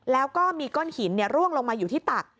แล้วก็มีก้อนหินร่วงลงมาอยู่ที่ตัก